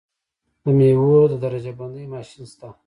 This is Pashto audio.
د میوو د درجه بندۍ ماشین شته؟